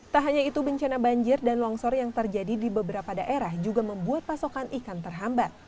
tak hanya itu bencana banjir dan longsor yang terjadi di beberapa daerah juga membuat pasokan ikan terhambat